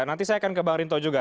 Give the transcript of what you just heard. nanti saya akan ke bang rinto juga